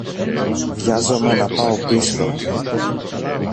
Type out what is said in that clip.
Βιάζομαι να πάω πίσω.